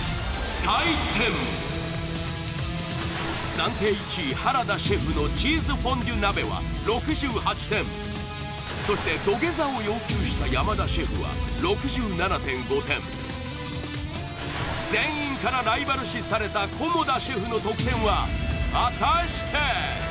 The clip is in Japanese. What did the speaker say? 暫定１位原田シェフのチーズフォンデュ鍋は６８点そして土下座を要求した山田シェフは６７．５点全員からライバル視された菰田シェフの得点は果たして？